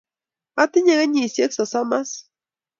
Atinye kenyisyek sosom as.